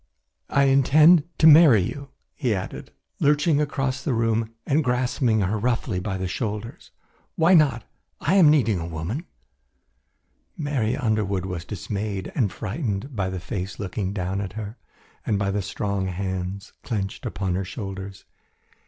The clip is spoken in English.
"I intend to marry you," he added, lurching across the room and grasping her roughly by the shoulders. "Why not? I am needing a woman." Mary Underwood was dismayed and frightened by the face looking down at her, and by the strong hands clenched upon her shoulders.